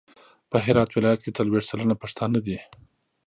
په هرات ولایت کې څلویښت سلنه پښتانه دي.